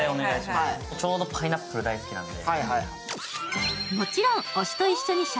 ちょうどパイナップル大好きなので。